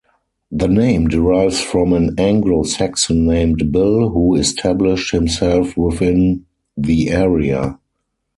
The name derives from an Anglo-Saxon named Bill who established himself within the area.